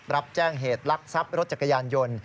รับแจ้งเหตุลักษัพรถจักรยานยนต์